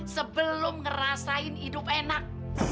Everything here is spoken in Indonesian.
sebelum ngerasain hidup enak